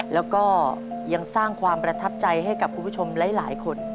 แล้วก็ยังสร้างความประทับใจให้กับคุณผู้ชมหลายคน